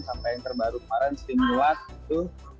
sampai yang terbaru kemarin sting nuat gitu